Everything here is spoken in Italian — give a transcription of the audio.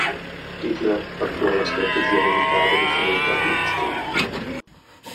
Hitler attuò la strategia militare definita blitzkrieg.